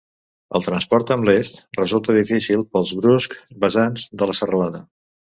El transport amb l'est resulta difícil pels bruscs vessants de la serralada.